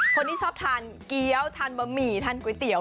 คนที่ชอบทานเกี้ยวทานบะหมี่ทานก๋วยเตี๋ย